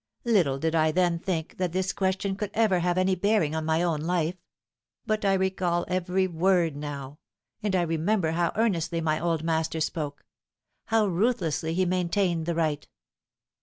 Little did I then think that this question could ever have any bearing on my own life ; but I recall every word now, and I remember how earnestly my old master spoke how ruthlessly he maintained the right.